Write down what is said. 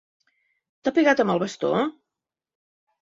T'ha pegat amb el bastó?